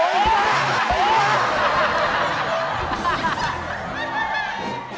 โอ้โฮ